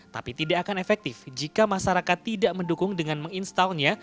tapi tidak akan efektif jika masyarakat tidak mendukung dengan menginstalnya